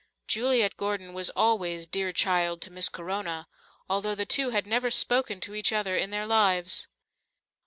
Juliet Gordon was always "dear child" to Miss Corona, although the two had never spoken to each other in their lives.